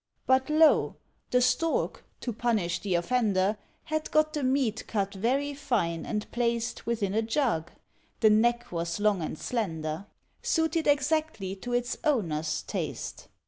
But, lo! the Stork, to punish the offender, Had got the meat cut very fine, and placed Within a jug; the neck was long and slender, Suited exactly to its owner's taste.